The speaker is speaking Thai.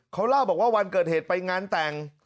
เขาเล่าบอกว่าวันเกิดเหตุไปงานแต่ง